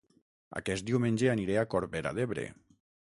Aquest diumenge aniré a Corbera d'Ebre